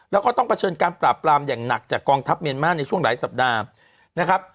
แล้วก็ต้องเผชิญการปราบปรามอย่างหนักจากกองทัพเมียนมาร์ในช่วงหลายสัปดาห์นะครับ